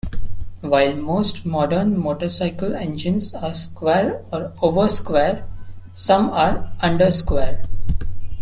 While most modern motorcycle engines are square or oversquare, some are undersquare.